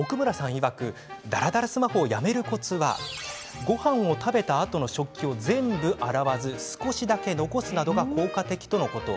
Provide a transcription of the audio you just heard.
いわくだらだらスマホをやめるコツはごはんを食べたあとの食器を全部洗わず、少しだけ残すなどが効果的とのこと。